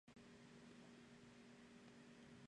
El estadio estaba en el lado norte de la confluencia.